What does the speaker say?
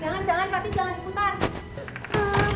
jangan jangan tapi jangan diputar